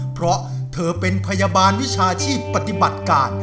เพราะเธอเป็นพยาบาลวิชาชีพปฏิบัติการ